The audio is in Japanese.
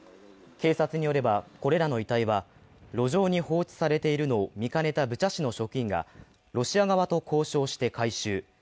警察によれば、これらの遺体は路上に放置されているのを見かねたブチャ市の職員がロシア側と交渉して回収。